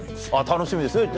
楽しみですね